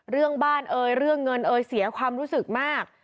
เรื่องบ้านเอ่ยเรื่องเงินเอ่ยเสียความรู้สึกมาก